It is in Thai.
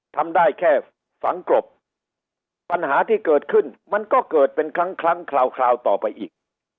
ทำได้แค่ฝังกรบปัญหาที่เกิดขึ้นมันก็เกิดเป็นครั้งครั้งคราวต่อไปอีก